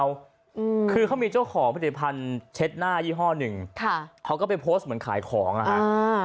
อืมคือเขามีเจ้าของผลิตภัณฑ์เช็ดหน้ายี่ห้อหนึ่งค่ะเขาก็ไปโพสต์เหมือนขายของอ่ะฮะอ่า